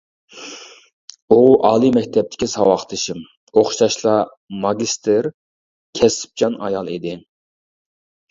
ئۇ ئالىي مەكتەپتىكى ساۋاقدىشىم، ئوخشاشلا ماگىستىر كەسىپچان ئايال ئىدى.